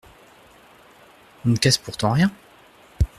On ne casse pourtant rien…